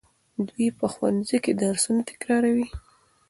دوی په ښوونځي کې درسونه تکراروي.